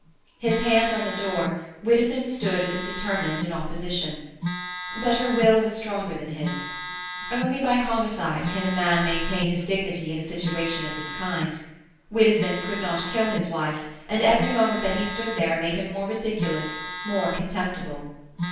His hand on the door, Widdowson stood as if determined in opposition. But her will was stronger than his. Only by homicide can a man maintain his dignity in a situation of this kind; Widdowson could not kill his wife, and every moment that he stood there made him more ridiculous, more contemptible.